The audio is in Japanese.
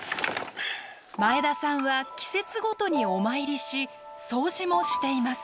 前田さんは季節ごとにお参りし掃除もしています。